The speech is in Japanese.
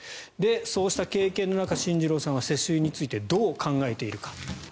そうした経験の中、進次郎さんは世襲についてどう考えているか。